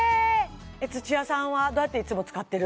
土屋さんはどうやっていつも使ってる？